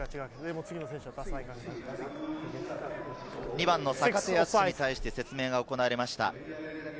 ２番の坂手に対して説明が行われました。